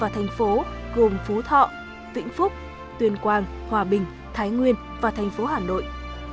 ba thành phố gồm phú thọ vĩnh phúc tuyên quang hòa bình thái nguyên và thành phố hà nội